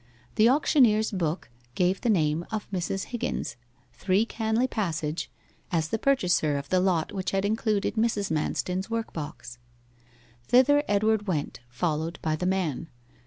The auctioneer's book gave the name of Mrs. Higgins, 3 Canley Passage, as the purchaser of the lot which had included Mrs. Manston's workbox. Thither Edward went, followed by the man.